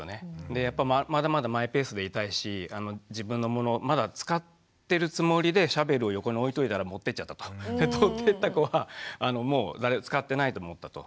でまだまだマイペースでいたいし自分のものまだ使ってるつもりでシャベルを横に置いといたら持ってっちゃったと。取ってった子はもう使ってないと思ったと。